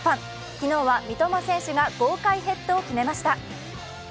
昨日は三笘選手が豪快ヘッドを決めました。